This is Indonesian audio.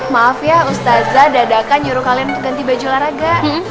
maaf ya ustazah dadakan nyuruh kalian untuk ganti baju olahraga